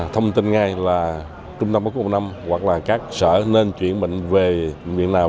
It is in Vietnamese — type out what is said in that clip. thông tin ngay là trung tâm bất cứ một năm hoặc là các sở nên chuyển bệnh về bệnh viện nào